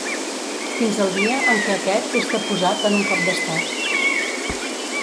Fins al dia en què aquest és deposat en un cop d'estat.